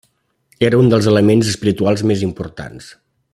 Era un dels elements espirituals més importants.